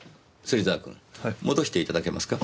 芹沢君戻していただけますか？